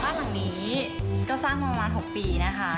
บ้านหลังนี้ก็สร้างมาประมาณ๖ปีนะคะ